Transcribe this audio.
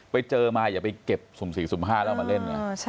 ไปเจอมาอย่าไปเก็บ๔๕แล้วมาเล่น